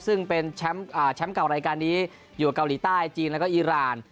ซึ่งเป็นแชมป์เก่ารายการนี้อยู่กับเกาหลีใต้จีนแล้วก็อีราน